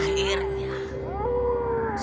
aku tidak percaya dengan kalian